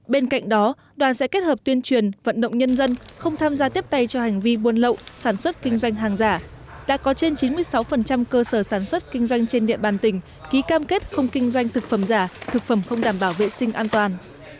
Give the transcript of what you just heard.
bên cạnh đó đoàn sẽ kết hợp tuyên truyền vận động nhân dân không tham gia tiếp tay cho hành vi buôn lậu sản xuất kinh doanh hàng giả đã có trên chín mươi sáu cơ sở sản xuất kinh doanh trên địa bàn tỉnh ký cam kết không kinh doanh thực phẩm giả thực phẩm không đảm bảo vệ sinh an toàn